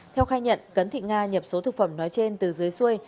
theo khai nhận cấn thị nga nhập số thực phẩm nói trên từ dưới xuôi